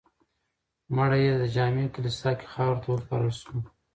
مړی یې د جامع کلیسا کې خاورو ته وسپارل شو.